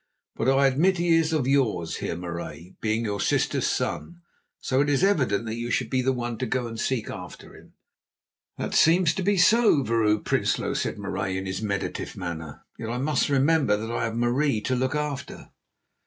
But I admit he is of yours, Heer Marais, being your sister's son, so it is evident that you should be the one to go to seek after him." "That seems to be so, Vrouw Prinsloo," said Marais in his meditative manner; "yet I must remember that I have Marie to look after."